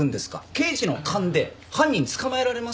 刑事の勘で犯人捕まえられますかね？